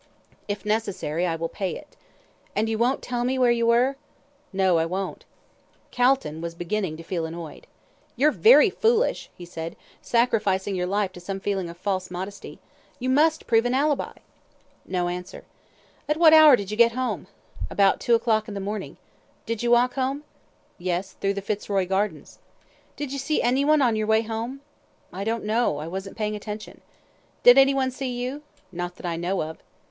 "If necessary, I will pay it." "And you won't tell me where you were?" "No, I won't." Calton was beginning to feel annoyed. "You're very foolish," he said, "sacrificing your life to some feeling of false modesty. You must prove an ALIBI." No answer. "At what hour did you get home?" "About two o'clock in the morning." "Did you walk home?" "Yes through the Fitzroy Gardens." "Did you see anyone on your way home?" "I don't know. I wasn't paying attention." "Did anyone see you?" "Not that I know of."